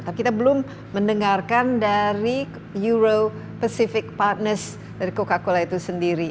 tapi kita belum mendengarkan dari euro pacific partners dari coca cola itu sendiri